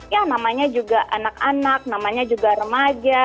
ya namanya juga anak anak namanya juga remaja